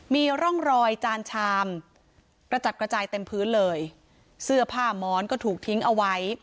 มีร่องรอยจานชามกระจัดกระจายเต็มพื้นเลยเสื้อผ้าม้อนก็ถูกทิ้งเอาไว้